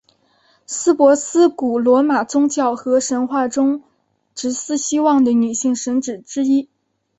司珀斯古罗马宗教和神话中职司希望的女性神只之一。